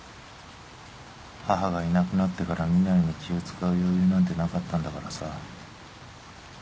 母がいなくなってから身なりに気を使う余裕なんてなかったんだからさ。